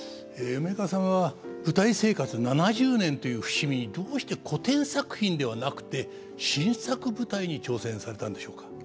梅若さんは舞台生活７０年という節目にどうして古典作品ではなくて新作舞台に挑戦されたんでしょうか。